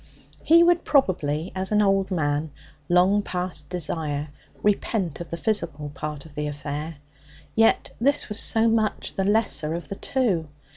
He would probably, as an old man, long past desire, repent of the physical part of the affair. Yet this was so much the lesser of the two.